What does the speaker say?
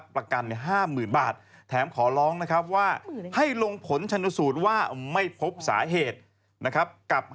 เฟซบุ๊ก